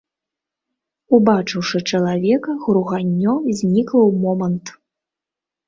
Убачыўшы чалавека, груганнё знікла ў момант.